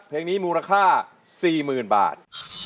เพลงนี้มูลค่า๔๐๐๐บาท